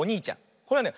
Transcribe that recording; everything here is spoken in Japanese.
これはね